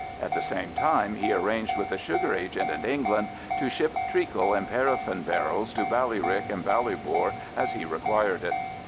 At the same time he arranged with a sugar agent in England to ship treacle in paraffin barrels to Ballyrick and Ballybor as he required it.